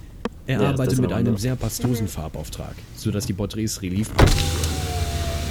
Er arbeitet mit einem sehr pastosen Farbauftrag, so dass die Porträts reliefartig wirken.